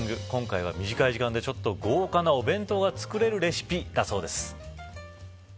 今回は短い時間でちょっと豪華なお弁当がつくれるレシピだそうです。